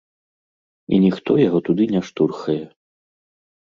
І ніхто яго туды не штурхае.